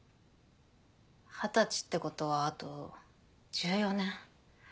二十歳ってことはあと１４年。